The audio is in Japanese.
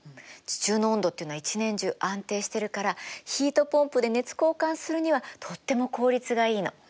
地中の温度っていうのは一年中安定してるからヒートポンプで熱交換するにはとっても効率がいいの。